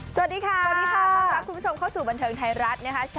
สวัสดีค่ะครับคุณผู้ชมเข้าสู่บรรเทรงไทยรัฐเนี่ยคะสวัสดีค่ะ